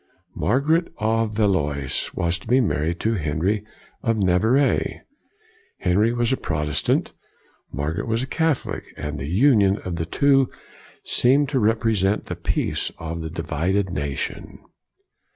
Margaret of Valois was to be married to Henry of Navarre. Henry was a Protestant, Mar garet was a Catholic, and the union of the two seemed to represent the peace of the divided nation.